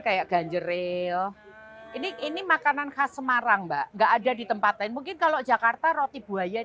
kayak ganjeril ini ini makanan khas semarang mbak nggak ada di tempat lain mungkin kalau jakarta roti buaya